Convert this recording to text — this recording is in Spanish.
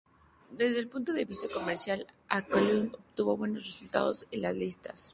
Desde el punto de vista comercial, "Aqualung" obtuvo buenos resultados en las listas.